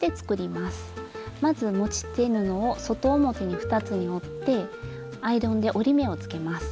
まず持ち手布を外表に２つに折ってアイロンで折り目をつけます。